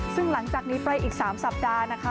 ซึ่งหลังจากนี้ไปอีก๓สัปดาห์นะคะ